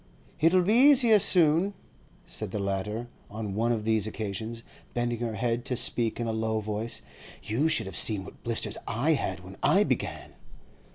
'It'll be easier soon,' said the latter, on one of these occasions, bending her head to speak in a low voice. 'You should have seen what blisters I had when I began.